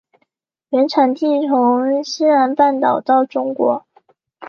原产地从中南半岛到中国。